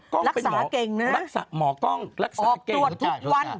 กล้องเป็นหมอรักษาหมอกล้องรักษาเก่งรักษาออกตรวจทุกวัน